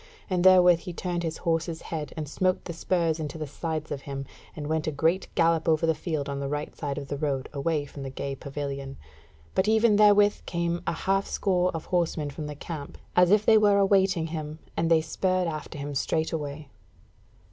And therewith he turned his horse's head, and smote the spurs into the sides of him, and went a great gallop over the field on the right side of the road, away from the gay pavilion; but even therewith came a half score of horsemen from the camp, as if they were awaiting him, and they spurred after him straightway.